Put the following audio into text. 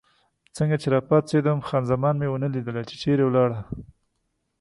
څنګه چې راپاڅېدم، خان زمان مې ونه لیدله، چې چېرې ولاړه.